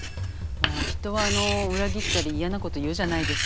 もう人は裏切ったり嫌なこと言うじゃないですか。